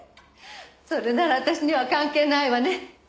それなら私には関係ないわね。